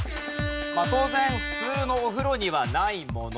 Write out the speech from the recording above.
まあ当然普通のお風呂にはないもの。